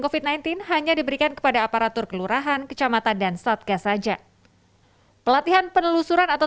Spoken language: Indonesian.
covid sembilan belas hanya diberikan kepada aparatur kelurahan kecamatan dan satgas saja pelatihan penelusuran atau